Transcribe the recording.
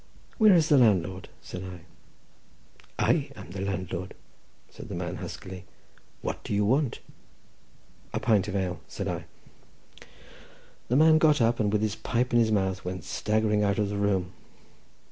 "Where is the landlord?" said I. "I am the landlord," said the man huskily. "What do you want?" "A pint of ale," said I. The man got up, and, with his pipe in his mouth, went staggering out of the room.